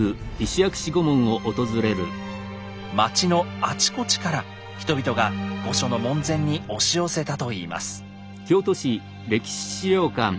町のあちこちから人々が御所の門前に押し寄せたといいます。